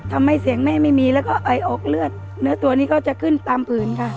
ทำให้เสียงแม่ไม่มีแล้วก็ไอออกเลือดเนื้อตัวนี้ก็จะขึ้นตามผืนค่ะ